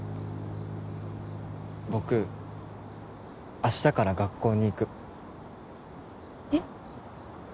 僕明日から学校に行くえっ？